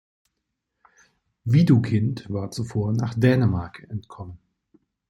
Widukind war zuvor nach Dänemark entkommen.